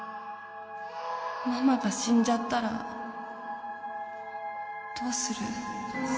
ママが死んじゃったらどうする？